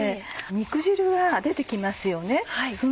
肉汁が出て来ますよね